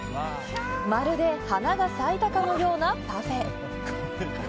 まるで花が咲いたかのようなパフェ。